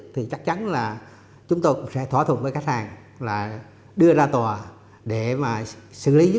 thì chắc chắn là chúng tôi cũng sẽ thỏa thuận với khách hàng là đưa ra tòa để mà xử lý vấn đề này